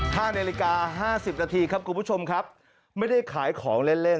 ห้านาฬิกาห้าสิบนาทีครับคุณผู้ชมครับไม่ได้ขายของเล่นเล่น